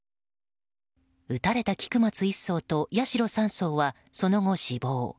撃たれた菊松１曹と八代３曹はその後、死亡。